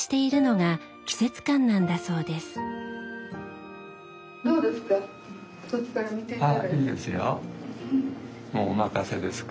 はいいいですよ。